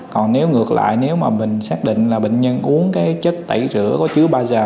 còn nếu ngược lại nếu mà mình xác định là bệnh nhân uống cái chất tẩy rửa có chứa ba giờ